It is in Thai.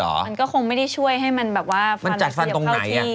มันก็คงไม่ได้ช่วยให้มันแบบว่าฟันเราเสียบเข้าที่